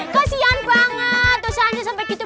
kasihan banget usahanya sampe gitu